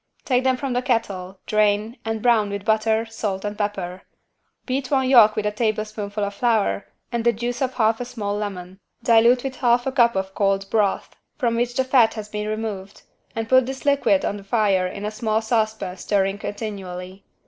Take them from the kettle, drain, and brown with butter, salt and pepper. Beat one yolk with a teaspoonful of flour and the juice of half a small lemon, dilute with half a cup of cold broth from which the fat has been removed and put this liquid on the fire in a small saucepan stirring continually.